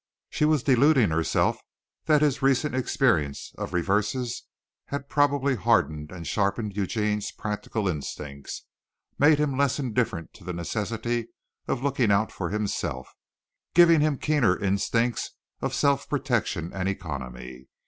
She was deluding herself that this recent experience of reverses had probably hardened and sharpened Eugene's practical instincts, made him less indifferent to the necessity of looking out for himself, given him keener instincts of self protection and economy.